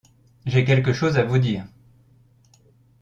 J’ai quelque chose à vous dire!